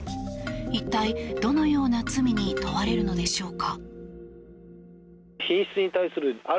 一体どのような罪に問われるのでしょうか。